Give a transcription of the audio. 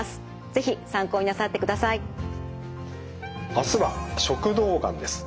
明日は食道がんです。